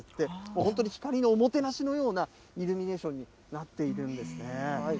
本当に光のおもてなしのようなイルミネーションになっているんですね。